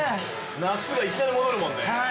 ◆夏がいきなり戻るもんね。